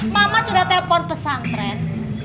mama sudah telepon pesantren